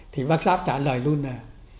thì bác giáp trả lời luôn là